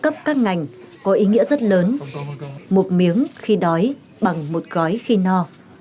bằng một gói khi no